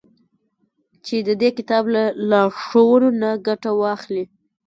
چي د دې كتاب له لارښوونو نه گټه واخلي.